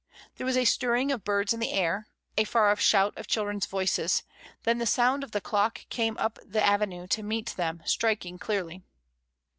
There was a stirring of birds in the air, a far off shout of children's voices, then the sound of the clock came up the avenue to meet them striking clearly.